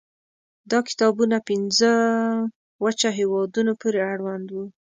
دا کتابونه پنځو وچه هېوادونو پورې اړوند وو.